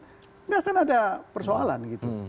tidak akan ada persoalan